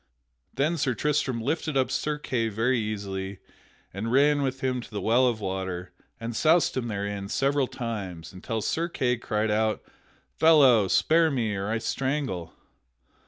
Then Sir Tristram lifted up Sir Kay very easily and ran with him to the well of water and soused him therein several times until Sir Kay cried out, "Fellow, spare me or I strangle!"